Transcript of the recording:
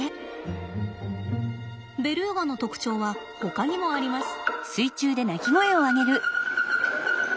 ベルーガの特徴はほかにもあります。